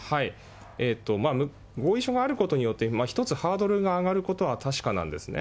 合意書があることによって、一つハードルが上がることは確かなんですね。